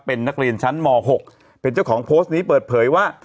เป็นนักเรียนชั้นม๖เป็นเจ้าของโพสต์นี้เปิดเผยว่า